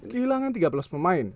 kehilangan tiga belas pemain